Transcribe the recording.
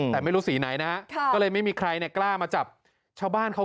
แต่ไม่รู้สีไหนนะก็เลยไม่มีใครเนี่ยกล้ามาจับชาวบ้านเขา